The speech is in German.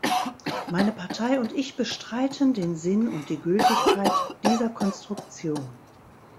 Meine Partei und ich bestreiten den Sinn und die Gültigkeit dieser Konstruktion.